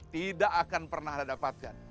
tidak akan pernah anda dapatkan